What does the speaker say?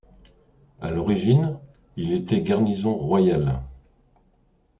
À l'origine, il était garnison royale.